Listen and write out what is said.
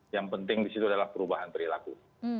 yang penting di situ adalah perubahan perilaku